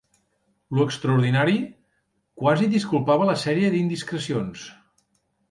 Lo extraordinari, quasi disculpava la sèrie d'indiscrecions.